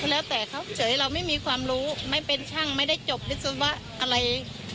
แล้วแต่เขาเฉยเราไม่มีความรู้ไม่เป็นช่างไม่ได้จบวิศวะอะไร